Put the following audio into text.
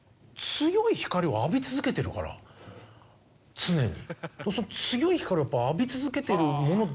常に。